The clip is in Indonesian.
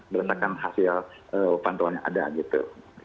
berdasarkan hasil pantauan yang ada gitu